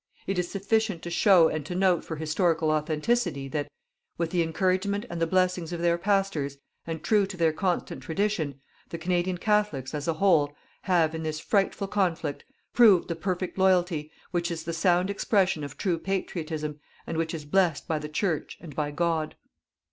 It is sufficient to show and to note for historical authenticity that, with the encouragement and the blessings of their Pastors, and true to their constant tradition, the Canadian Catholics, as a whole, have, in this frightful conflict proved the perfect loyalty which is the sound expression of true patriotism, and which is blessed by the Church and by God.